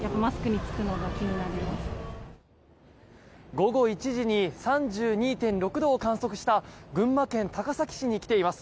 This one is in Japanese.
午後１時に３２．６度を観測した群馬県高崎市に来ています。